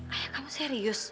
ayah kamu serius